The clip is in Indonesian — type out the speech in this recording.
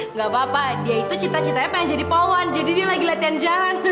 nggak papa dia itu cita citanya pengen jadi polwan jadi dia lagi latihan jalan